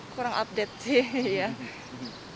kurang update sih